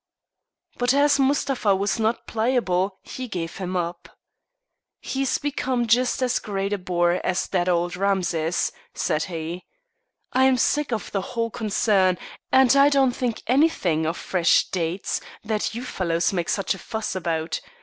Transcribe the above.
But as Mustapha was not pliable he gave him up. "He's become just as great a bore as that old Rameses," said he. "I'm sick of the whole concern, and I don't think anything of fresh dates, that you fellows make such a fuss about.